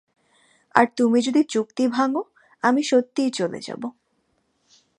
আর তুমি যদি চুক্তি ভাঙ্গো, আমি সত্যিই চলে যাব।